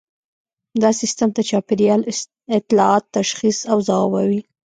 دا سیستم د چاپیریال اطلاعات تشخیص او ځوابوي